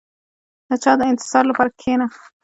• د چا د انتظار لپاره کښېنه.